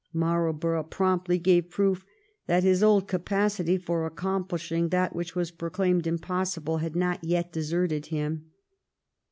Marlborough promptly gave proof that his old capa city for accomplishing that which was proclaimed impossible had not yet deserted him.